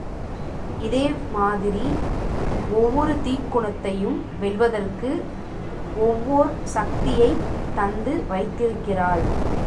இதே மாதிரி ஒவ்வொரு தீக்குணத்தையும் வெல்வதற்கு ஒவ்வோர் சக்தியைத் தந்து வைத்திருக்கிறாள்.